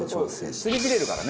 すり切れるからね。